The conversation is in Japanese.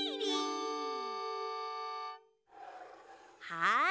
はい。